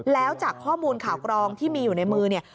แล้วจากข้อมูลข่าวกรองที่มีอยู่ในมือเนี่ย